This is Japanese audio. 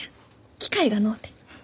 機会がのうて。